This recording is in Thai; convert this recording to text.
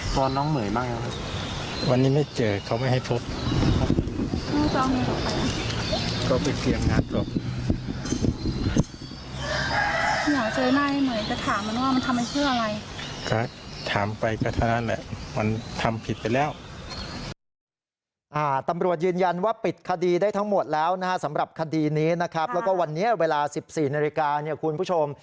ถามไปกับอาหารราชนื่น